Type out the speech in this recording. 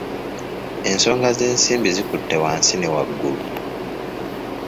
Ensonga z’ensimbi zikutte wansi ne waggulu.